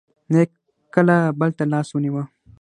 نه یې کله بل ته لاس ونېوه.